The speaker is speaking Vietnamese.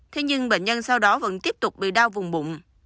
thế nhưng bệnh nhân sau đó vẫn tiếp tục bị đau vùng bụng